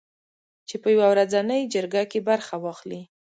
چې په یوه ورځنۍ جرګه کې برخه واخلي